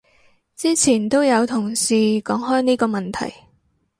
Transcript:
之前都有同事講開呢個問題